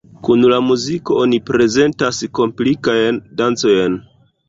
Kun la muziko oni prezentas komplikajn dancojn.